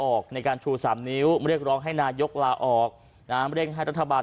ออกในการชู๓นิ้วเรียกร้องให้นายกลาออกนะเร่งให้รัฐบาล